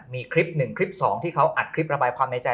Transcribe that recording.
มีคลิปหนึ่งคลิปสองที่เขาอัดคลิประบายความในใจ